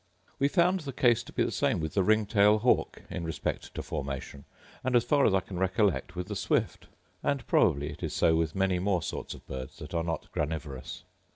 We found the case to be the same with the ring tail hawk, in respect to formation; and, as far as I can recollect, with the swift; and probably it is so with many more sorts of birds that are not granivorous.